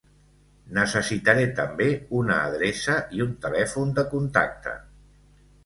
Necessitaré també una adreça i un telèfon de contacte.